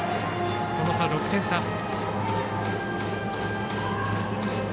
その差、６点差。